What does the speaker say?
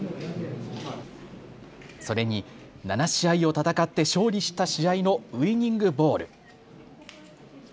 それに７試合を戦って勝利した試合のウイニングボール。